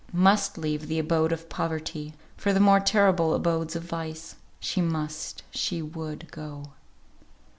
Must leave the abode of poverty, for the more terrible abodes of vice. She must she would go.